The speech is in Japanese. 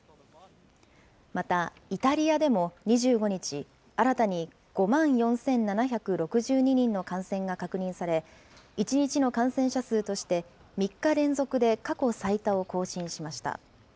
また、イタリアでも２５日、新たに５万４７６２人の感染が確認され、１日の感染者数として、３日連続で過去最多を更新しました。